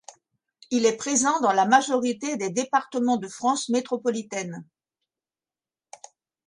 Il est présent dans la majorité des départements de France métropolitaine.